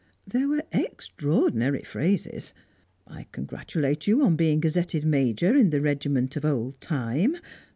There were extraordinary phrases. "I congratulate you on being gazetted major in the regiment of Old Time."